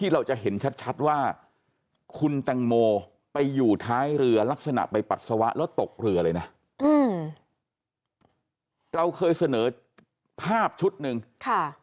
แล้วตกเรือเลยนะอืมเราเคยเสนอภาพชุดหนึ่งค่ะ